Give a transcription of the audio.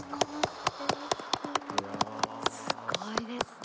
すごいですね。